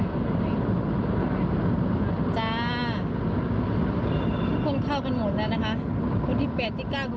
ป้าก็เลยมาทีหลังเพราะป้าก็เลยกลับไปกับลูก